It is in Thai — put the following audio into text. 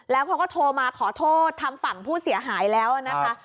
แล้วเขาก็โทรมาขอโทษทางฝั่งผู้เสียหายแล้วนะคะ